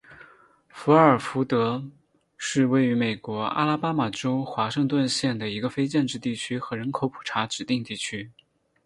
费尔福德是位于美国阿拉巴马州华盛顿县的一个非建制地区和人口普查指定地区。